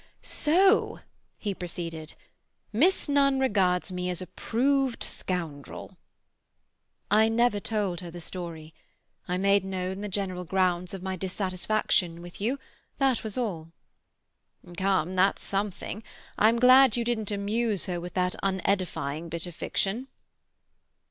"So," he proceeded, "Miss Nunn regards me as a proved scoundrel?" "I never told her the story. I made known the general grounds of my dissatisfaction with you, that was all." "Come, that's something. I'm glad you didn't amuse her with that unedifying bit of fiction."